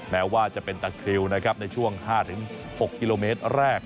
แม้ว่าจะเป็นตะคริวนะครับในช่วง๕๖กิโลเมตรแรก